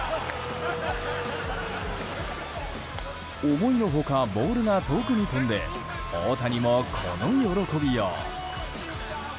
思いの外ボールが遠くに飛んで大谷も、この喜びよう。